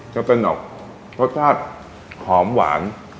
จะเป็นข้อชาติขอมหวาน